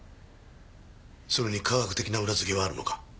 それに科学的な裏づけはあるのか？